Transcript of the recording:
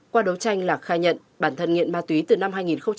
qua đấu tranh lạc khai nhận bản thân nghiện ma túy từ năm hai nghìn một mươi